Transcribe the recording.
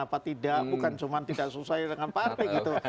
bukan cuma tidak sesuai dengan partai gitu